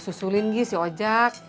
susulin gi si ojak